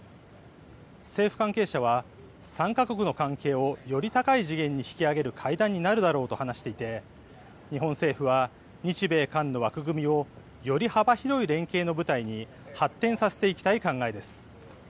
政府関係者は３か国の関係をより高い次元に引き上げる会談になるだろうと話していて日本政府は日米韓の枠組みをより幅広い連携の舞台に発展させていきたい考えです。